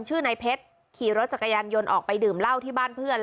ชื่อนายเพชรขี่รถจักรยานยนต์ออกไปดื่มเหล้าที่บ้านเพื่อน